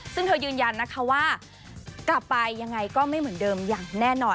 ซึ่งเธอยืนยันนะคะว่ากลับไปยังไงก็ไม่เหมือนเดิมอย่างแน่นอน